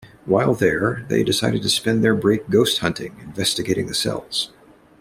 While there, they decided to spend their break ghost hunting investigating the cells.